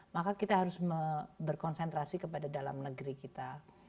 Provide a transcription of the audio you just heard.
maka kita harus berkonsentrasi kepada dalam negeri kita